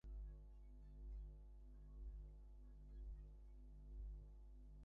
তবে কিছু কিছু ক্ষেত্রে যারা নিতান্তই অসহায় তাদের জন্য রাষ্ট্রেরও কর্তব্য আছে।